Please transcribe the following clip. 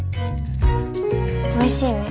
おいしいね。